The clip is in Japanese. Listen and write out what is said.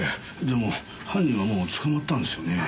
でも犯人はもう捕まったんですよね？